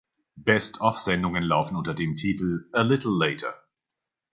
Best-of-Sendungen laufen unter dem Titel "A Little Later".